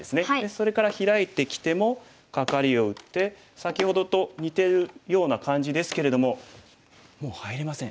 それからヒラいてきてもカカリを打って先ほどと似てるような感じですけれどももう入れません。